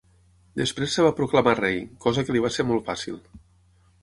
Després es va proclamar rei, cosa que li va ser molt fàcil.